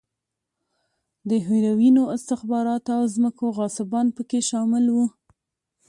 د هیروینو، استخباراتو او ځمکو غاصبان په کې شامل و.